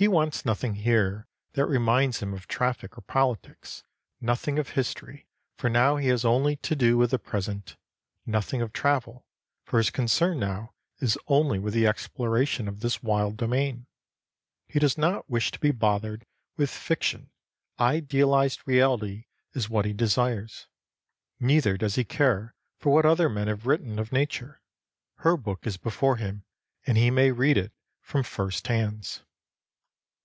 He wants nothing here that reminds him of traffic or politics; nothing of history, for now he has only to do with the present; nothing of travel, for his concern now is only with the exploration of this wild domain. He does not wish to be bothered with fiction, idealized reality is what he desires. Neither does he care for what other men have written of nature. Her book is before him and he may read it from first hands.